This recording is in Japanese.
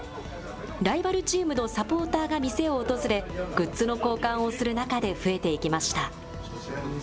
ライバルチームのサポーターが店を訪れ、グッズの交換をする中で増えていきました。